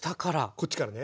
こっちからね。